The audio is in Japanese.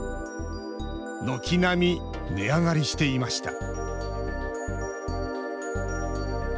軒並み値上がりしていました。